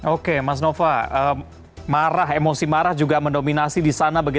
oke mas nova marah emosi marah juga mendominasi di sana